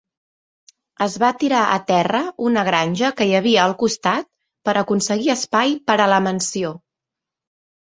Es va tirar a terra una granja que hi havia al costat per aconseguir espai per a la mansió.